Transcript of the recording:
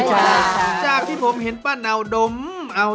จะตายหรือเปล่านะเจ้า